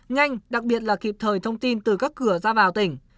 nhanh đặc biệt là kịp thời thông tin từ các cửa ra vào tỉnh